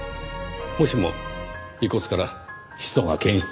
もしも遺骨から砒素が検出されたとしたら。